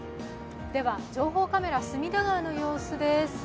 情報カメラ、隅田川の様子です。